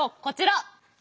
こちら。